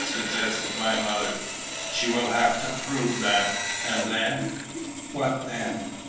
suggested my mother. "She will have to prove that." "And then?" "What then?"